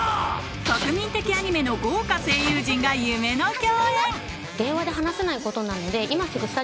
国民的アニメの豪華声優陣が夢の共演！